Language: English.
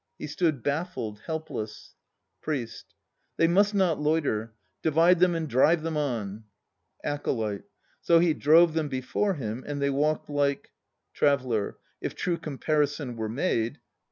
He stood baffled, helpless. ... PRIEST. They must not loiter. Divide them and drive them on! ACOLYTE. So he drove them before him and they walked like ... TRAVELLER. If true comparison were made